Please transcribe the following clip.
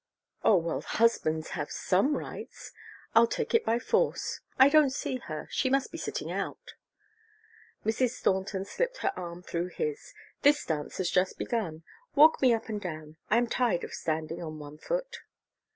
"Oh, well, husbands have some rights. I'll take it by force. I don't see her she must be sitting out." Mrs. Thornton slipped her arm through his. "This dance has just begun. Walk me up and down. I am tired of standing on one foot."